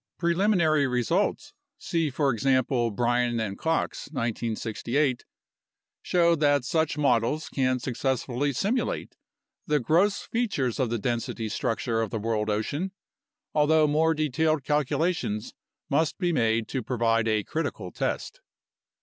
Preliminary results (see, for ex ample, Bryan and Cox, 1968) show that such models can successfully simulate the gross features of the density structure of the world ocean, although more detailed calculations must be made to provide a critical test.